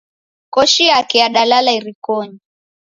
Koshi yake yadalala irikonyi.